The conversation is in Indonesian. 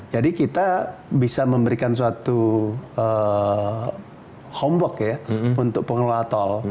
jadi kita bisa memberikan suatu homebook ya untuk pengelola tol